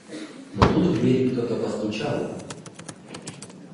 Но тут в двери кто-то постучал.